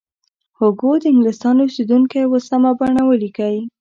هوګو د انګلستان اوسیدونکی و سمه بڼه ولیکئ.